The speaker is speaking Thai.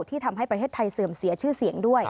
ทำให้ประเทศไทยเสื่อมเสียชื่อเสียงด้วย